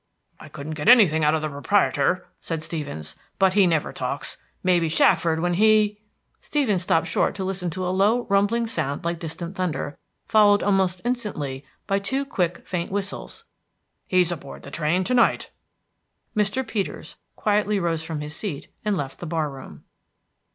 "I couldn't get anything out of the proprietor," said Stevens; "but he never talks. May be Shackford when he" Stevens stopped short to listen to a low, rumbling sound like distant thunder, followed almost instantly by two quick faint whistles. "He's aboard the train to night." Mr. Peters quietly rose from his seat and left the bar room.